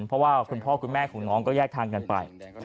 เพราะว่าคุณพ่อคุณแม่ของน้องก็แยกทางกันไป